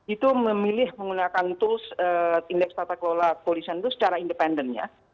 itu memilih menggunakan tools indeks tata kelola polisian itu secara independen ya